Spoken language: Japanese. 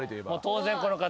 当然この方。